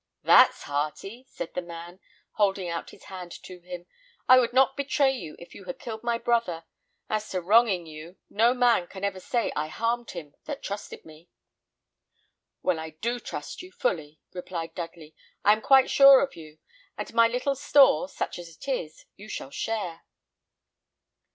"That's hearty!" said the man, holding out his hand to him, "I would not betray you if you had killed my brother; and as to wronging you, no man can ever say I harmed him that trusted me." "Well, I do trust you fully," replied Dudley; "I am quite sure of you; and my little store, such as it is, you shall share."